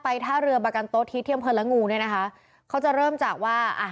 ไปท่าเรือภาคปกรณาบากันตกทีเทียมเฟอร์ละงูเนี้ยนะคะเขาจะเริ่มจากว่า